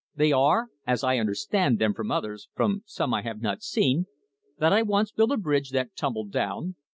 They are, as I understand them from others, for some I have not seen : 1. That I once built a bridge that tumbled down.